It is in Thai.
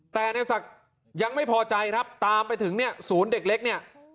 แต่ในศักดิ์ยังไม่พอใจครับตามไปถึงเนี่ยศูนย์เด็กเล็กเนี่ย